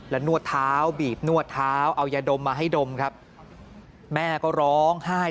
และนวดเท้าบีบนวดเท้าเอายาดมมาให้ดมครับแม่ก็ร้องไห้